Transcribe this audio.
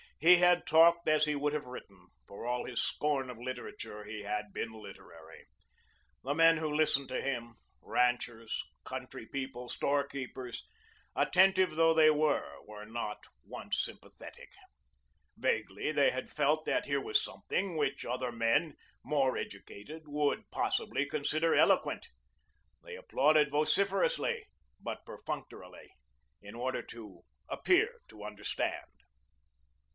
He had talked as he would have written; for all his scorn of literature, he had been literary. The men who listened to him, ranchers, country people, store keepers, attentive though they were, were not once sympathetic. Vaguely they had felt that here was something which other men more educated would possibly consider eloquent. They applauded vociferously but perfunctorily, in order to appear to understand.